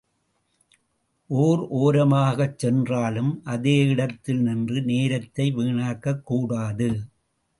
ஓர் ஒரமாகச் சென்றாலும், அதே இடத்தில் நின்று நேரத்தை வீணாக்கக்கூடாது.